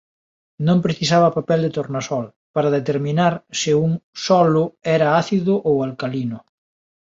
Non precisaba papel de tornasol para determinar se un solo era ácido ou alcalino.